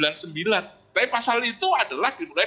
tapi pasal itu adalah di mulai dua ratus delapan puluh